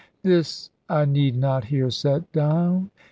This I need not here set down.